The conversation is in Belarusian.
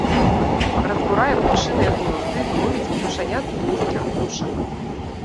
Разбурае птушыныя гнёзды, ловіць птушанят свойскіх птушак.